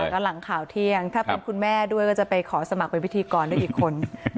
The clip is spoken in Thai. แล้วก็หลังข่าวเที่ยงถ้าเป็นคุณแม่ด้วยก็จะไปขอสมัครเป็นพิธีกรด้วยอีกคน